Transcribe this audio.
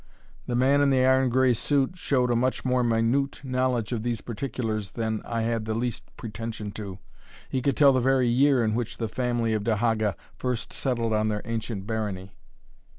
The man in the iron gray suit showed a much more minute knowledge of these particulars than I had the least pretension to. He could tell the very year in which the family of De Haga first settled on their ancient barony.